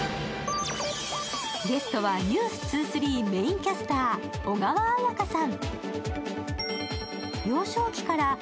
ゲストは「ｎｅｗｓ２３」のメインキャスター小川彩佳さん。